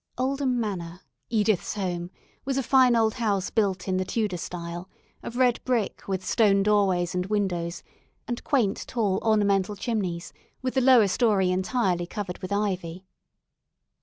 Oldham Manor, Edith's home, was a fine old house built in the "Tudor" style, of red brick with stone doorways and windows, and quaint, tall, ornamental chimneys, with the lower story entirely covered with ivy.